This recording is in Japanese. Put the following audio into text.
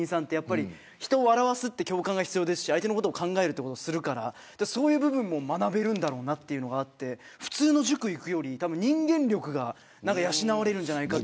人を笑わすのは共感が必要だし相手のことを考えることもするからそういう部分も学べるんだろうなというのがあって普通の塾へ行くより人間力が養われるんじゃないかと。